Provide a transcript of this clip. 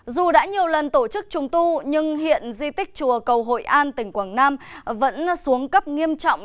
dù đã nhiều lần tổ chức trùng tu nhưng hiện di tích chùa cầu hội an tỉnh quảng nam vẫn xuống cấp nghiêm trọng